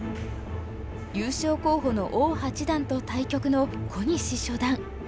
優勝候補の王八段と対局の小西初段。